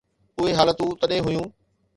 اهي حالتون تڏهن هيون.